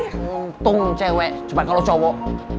untung cewek cuma kalau cowok